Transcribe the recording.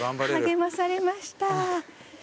励まされました。